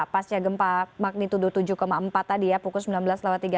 pasca gempa magnitudo tujuh empat tadi ya pukul sembilan belas tiga puluh